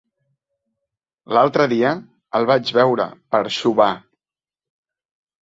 L'altre dia el vaig veure per Xóvar.